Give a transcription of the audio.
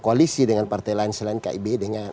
koalisi dengan partai lain selain kib dengan